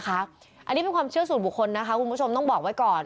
อันนี้เป็นความเชื่อส่วนบุคคลนะคะคุณผู้ชมต้องบอกไว้ก่อน